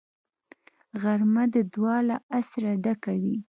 غرمه د دعا له اثره ډکه وي